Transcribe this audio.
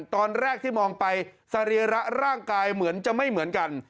ตอนแรกที่มองไปสรีระร่างกายเหมือนจะไม่เหมือนกัน